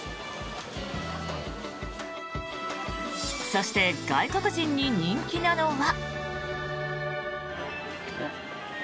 そして外国人に人気なのは。